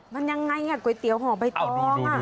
มันยังไงก๋วยเตี๋ยห่อใบตอง